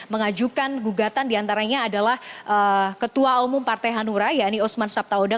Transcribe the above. mengajukan gugatan diantaranya adalah ketua umum partai hanuman